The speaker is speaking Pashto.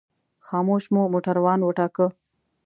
خاموش مو موټروان وټاکه.